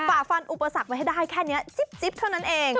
ฝ่าฟันอุปสรรคไว้ให้ได้แค่นี้จิ๊บเท่านั้นเอง